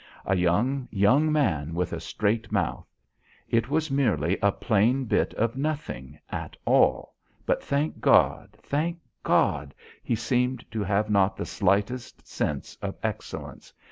A young, young man with a straight mouth. It was merely a plain bit of nothing at all but, thank God, thank God, he seemed to have not the slightest sense of excellence.